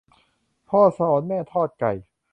พ่อสอนแม่ทอดไก่